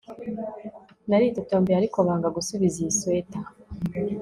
naritotombeye, ariko banga gusubiza iyi swater